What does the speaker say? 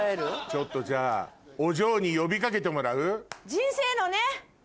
ちょっとじゃあお嬢に呼び掛けてもらう？